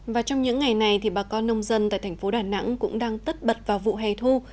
và trong những ngày này thì bà con nông dân tại thành phố đà nẵng cũng đang tất bật vào vụ hè thu